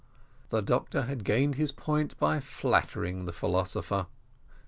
The doctor had gained his point by flattering the philosopher.